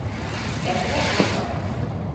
Perdre el to.